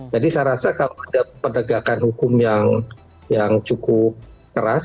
jadi saya rasa kalau ada penegakan hukum yang cukup keras